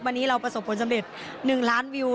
วันนี้เราประสบผลสำเร็จ๑ล้านวิว